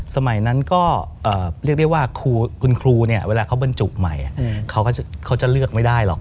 สมัยนั้นก็เรียกได้ว่าคุณครูเนี่ยเวลาเขาบรรจุใหม่เขาจะเลือกไม่ได้หรอก